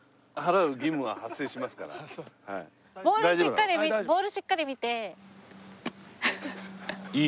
ボールをしっかりボールをしっかり見て。